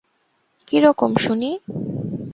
কিরকম, শুনি!